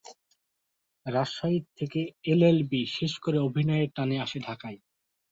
রাজশাহী থেকে এলএলবি শেষ করে অভিনয়ের টানে আসে ঢাকায়।